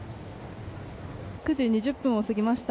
９時２０分を過ぎました。